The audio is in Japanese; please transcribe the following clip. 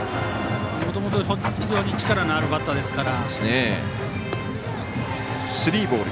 もともと、非常に力のあるバッターですから。